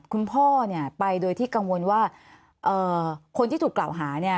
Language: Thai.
คุณพ่อไปโดยที่กังวลว่าคนที่ถูกกล่าวหาเนี่ย